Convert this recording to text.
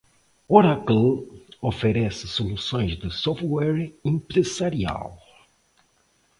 Oracle oferece soluções de software empresarial.